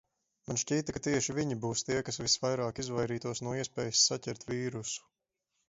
Man šķita, ka tieši viņi būs tie, kas visvairāk izvairītos no iespējas saķert vīrusu.